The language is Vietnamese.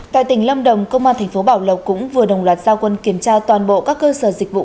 tại tỉnh lâm đồng công an tp bảo lộc cũng vừa đồng loạt giao quân kiểm tra toàn bộ các cơ sở dịch vụ